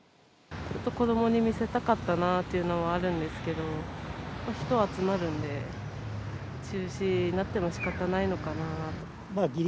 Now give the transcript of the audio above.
子どもに見せたかったなっていうのはあるんですけど、人集まるんで、中止になってもしかたないのかなと。